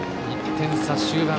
１点差、終盤。